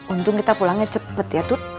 untung kita pulangnya cepet ya tut